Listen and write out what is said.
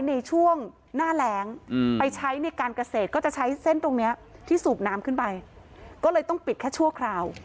ในช่วงหน้าแหลงไปใช้ในการเกษตร